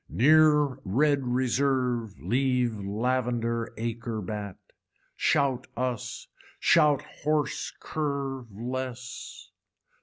Near red reserve leave lavender acre bat. Shout us, shout horse curve less.